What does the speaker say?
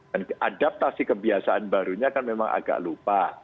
dan adaptasi kebiasaan barunya kan memang agak lupa